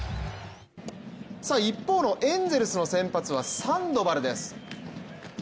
一方のエンゼルスの先発はサンドバルです。